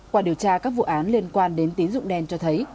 qua điều tra các vụ án liên quan đến tín dụng đen cho thấy